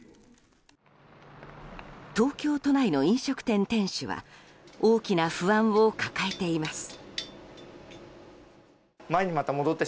東京都内の飲食店店主は大きな不安を抱えています。